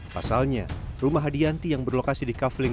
pasalnya rumah hadianti yang berlokasi di kafling